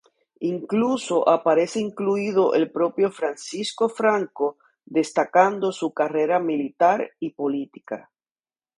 Incluso aparece incluido el propio Francisco Franco, destacando su carrera militar y política.